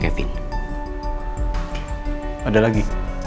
aduh duduk duduk